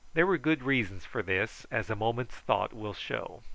There were good reasons for this, as a moment's thought will show.